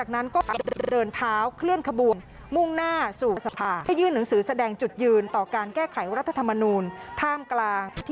นี่ค่ะ